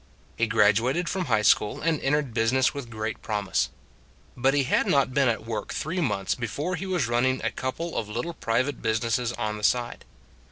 He graduated from high school and entered business with great promise. But he had not been at work three months be fore he was running a couple of little pri vate businesses on the side.